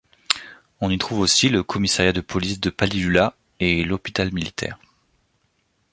On y trouve aussi le Commissariat de police de Palilula et l'Hôpital militaire.